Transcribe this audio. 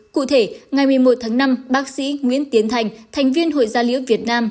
cụ thể ngày một mươi một tháng năm bác sĩ nguyễn tiến thành thành viên hội gia liễu việt nam